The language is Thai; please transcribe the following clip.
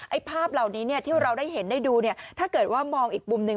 ภาพเหล่านี้เนี่ยที่เราได้เห็นได้ดูเนี่ยถ้าเกิดว่ามองอีกมุมหนึ่ง